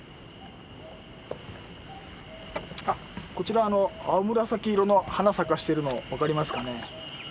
あこちらあの青紫色の花咲かしてるの分かりますかね？